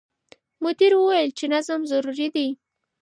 مدیر وویل چې نظم ضروري دی.